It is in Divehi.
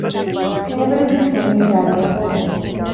ހެއިވެރިކަން ކެނޑެން ކަިއރިވެފަ